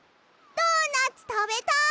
ドーナツたべたい！